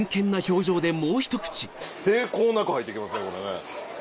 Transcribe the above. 抵抗なく入っていきますねこれね。